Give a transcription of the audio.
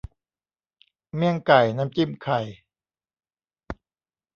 เมี่ยงไก่ น้ำจิ้มไข่